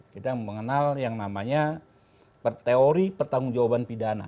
kita mengenal yang namanya teori pertanggung jawaban pidana